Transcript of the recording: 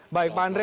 baik pak andrea